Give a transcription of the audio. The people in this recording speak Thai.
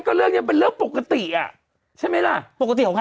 ของแบบนี้เนี่ยมัน